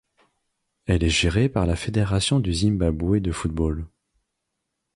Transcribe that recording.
Elle est gérée par la Fédération du Zimbabwe de football.